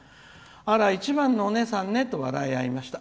あら、一番のお姉さんねと笑いあいました」。